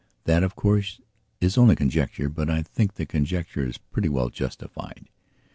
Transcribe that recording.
That of course is only conjecture, but I think the conjecture is pretty well justified.